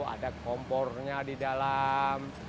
ada kompornya di dalam